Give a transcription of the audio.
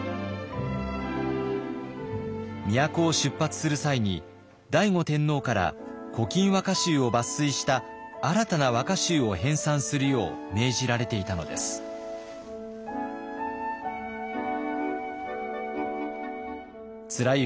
都を出発する際に醍醐天皇から「古今和歌集」を抜粋した新たな和歌集を編さんするよう命じられていたのです。